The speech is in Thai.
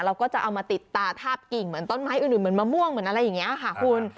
เราก็จะเอามาติดตาทาบกิ่งเหมือนต้นไม้อื่นเหมือนมะม่วงเหมือนอะไรอย่างนี้ค่ะคุณ